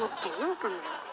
岡村。